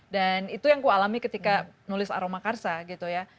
dan itu yang kualami ketika nulis aroma karsa gitu ya